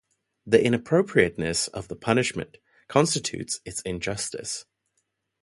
The inappropriateness of the punishment constitutes its injustice.